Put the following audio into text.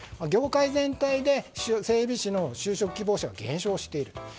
業界全体で整備士の就職希望者が減少している。